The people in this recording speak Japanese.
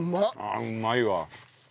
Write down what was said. あうまいわ。